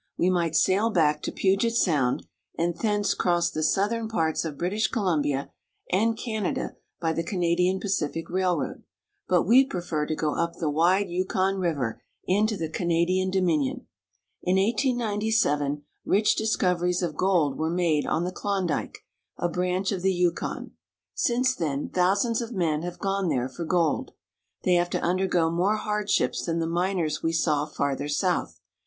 We might sail back to Puget Sound, and thence cross the southern parts of British Columbia and Canada by the Canadian Pacific Railroad ; but we prefer to go up the wide Yukon River into the Canadian Dominion. In 1897 rich discoveries of gold were made on the Klondike, a branch of the Yukon. Since then thousands of men have gone there for gold. They have to undergo more hardships than the miners we saw farther south.